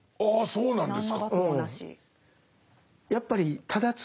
そうなんです。